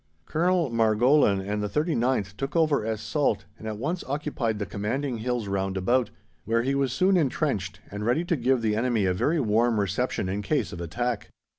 Colonel Margolin and the 39th took over Es Salt and at once occupied the commanding hills round about, where he was soon entrenched and ready to give the enemy a very warm reception in case of attack.